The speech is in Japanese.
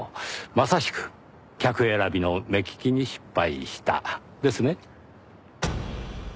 まさしく客選びの目利きに失敗した。ですね？